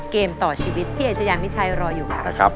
เกมต่อชีวิตพี่เอชยามิชัยรออยู่ค่ะ